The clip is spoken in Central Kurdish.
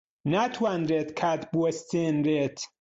ناتوانرێت کات بوەستێنرێت.